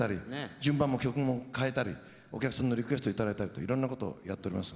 順番も曲も変えたりお客さんのリクエストを頂いたりといろんなことをやっとります。